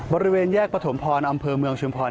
บริเวณแยกประถมพรอำเภอเมืองชุมพร